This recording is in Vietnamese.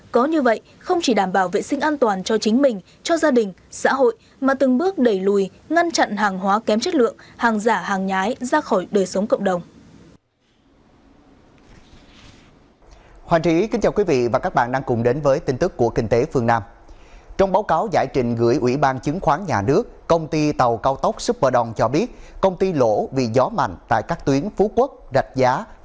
có như vậy không chỉ đảm bảo vệ sinh an toàn cho chính mình cho gia đình xã hội mà từng bước đẩy lùi ngăn chặn hàng hóa kém chất lượng hàng giả hàng nhái ra khỏi đời sống cộng đồng